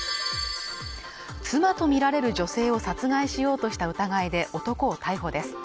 妻とみられる女性を殺害しようとした疑いで男を逮捕です